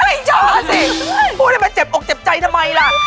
แต่บอกเลยว่าว่าจะมั่นใจอะไรเบอะนั้น